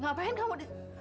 ngapain kamu di